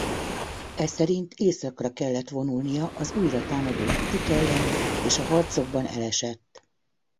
Eszerint északra kellett vonulnia az újra támadó gutik ellen és a harcokban elesett.